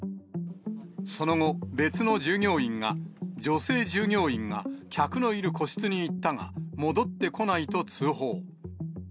その後、別の従業員が女性従業員が客のいる個室に行ったが、戻ってこないと通報。